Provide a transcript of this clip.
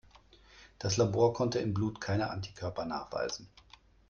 Das Labor konnte im Blut keine Antikörper nachweisen.